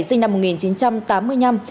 sinh năm một nghìn chín trăm tám mươi năm